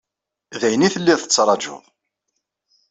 D ayen i telliḍ tettrajuḍ.